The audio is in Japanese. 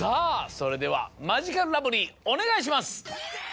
それではマヂカルラブリーお願いします。